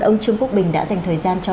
ông trương quốc bình đã dành thời gian cho